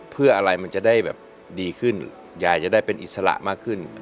เพื่ออะไรมันจะได้แบบดีขึ้นยายจะได้เป็นอิสระมากขึ้น